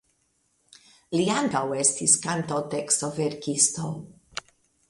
Li ankaŭ estis kantotekstoverkisto.